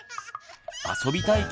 「遊びたい」